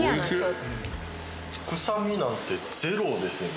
臭みなんてゼロですよね